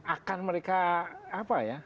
akan mereka apa ya